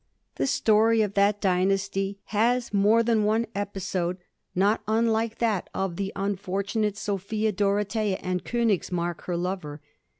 The story of that dynasty has more than one episode not unlike that of the unfortunate Sophia Dorothea and Konigs mark, her lover.